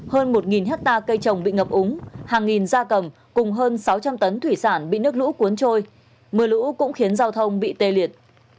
hơn một hectare cây trồng bị ngập úng hàng nghìn gia cầm cùng hơn sáu trăm linh tấn thủy sản bị nước lũ cuốn trôi mưa lũ cũng khiến giao thông bị tê liệt